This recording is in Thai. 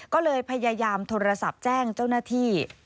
ก็เลยพยายามโทรศัพท์แจ้งเจ้าหน้าที่